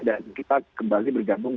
dan kita kembali bergabung